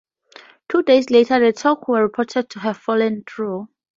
Two days later, the talks were reported to have fallen through.